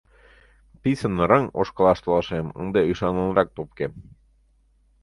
Писын рыҥ ошкылаш толашем, ынде ӱшанлынрак топкем.